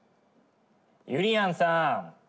ゆりやんさん。